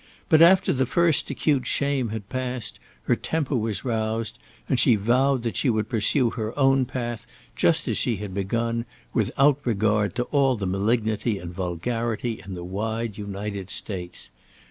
But after the first acute shame had passed, her temper was roused, and she vowed that she would pursue her own path just as she had begun, without regard to all the malignity and vulgarity in the wide United States.